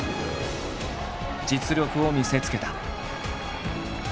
実力を見せつけた。